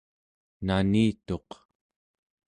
nanituq